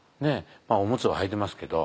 オムツははいてますけど。